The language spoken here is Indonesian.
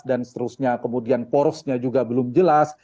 dan seterusnya kemudian porosnya juga belum jelas